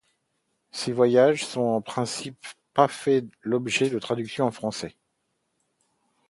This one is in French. Ces ouvrages n'ont, en principe, pas fait l'objet de traductions en français.